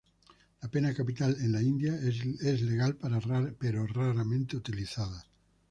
La pena capital en la India es legal pero raramente utilizada.